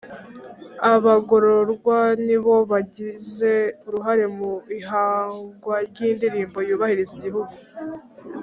Abagororwa nibo bagize uruhare mu ihangwa ry’indirimbo yubahiriza igihugu